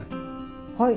はい。